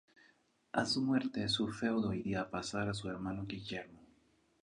A su muerte su feudo iría a pasar a su hermano Guillermo.